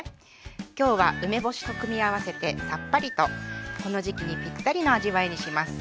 今日は梅干しと組み合わせてさっぱりとこの時期にぴったりの味わいにします。